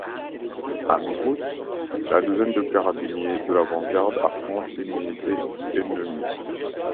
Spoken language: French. À mi-route, la douzaine de carabiniers de l'avant-garde affronte une unité ennemie.